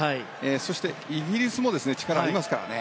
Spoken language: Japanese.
そしてイギリスも力がありますからね。